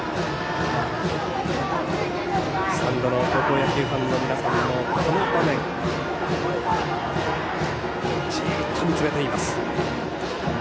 スタンドの高校野球ファンの皆さんもこの場面、じっと見つめています。